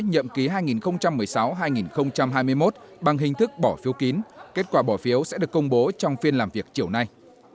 nhậm ký hai nghìn một mươi sáu hai nghìn hai mươi một bằng hình thức bỏ phiếu kín kết quả bỏ phiếu sẽ được công bố trong phiên làm việc chiều nay